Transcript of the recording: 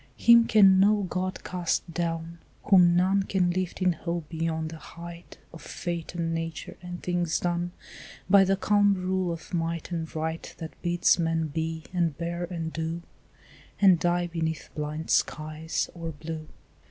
Him can no God cast down, whom none Can lift in hope beyond the height Of fate and nature and things done By the calm rule of might and right That bids men be and bear and do, And die beneath blind skies or blue.